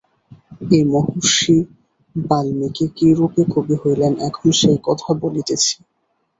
এই মহর্ষি বাল্মীকি কিরূপে কবি হইলেন এখন সেই কথা বলিতেছি।